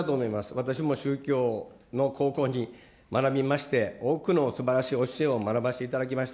私も宗教の高校に学びまして、多くのすばらしい教えを学ばせていただきました。